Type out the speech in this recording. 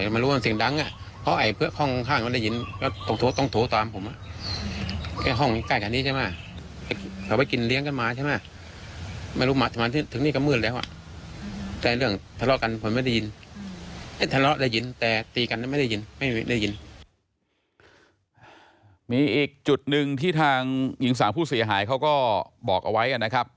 มีอีกจุดหนึ่งที่ทางหญิงสาวผู้เสียหายเขาก็บอกเอาไว้นะครับ